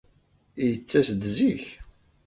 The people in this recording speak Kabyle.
Yettas-d zik.